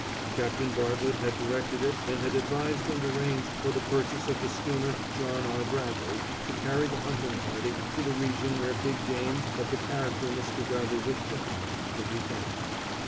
Captain Bartlett had directed it and had advised and arranged for the purchase of the Schooner John R. Bradley to carry the hunting party to the region where big game of the character Mr. Bradley wished to hunt could be found.